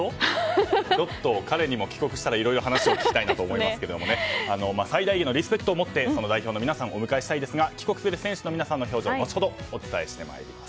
ちょっと彼にも帰国したらいろいろ話を聞きたいと思いますが最大限のリスペクトを持って代表の皆さんをお迎えしたいですが帰国する選手の皆さんの表情は後ほどお伝えします。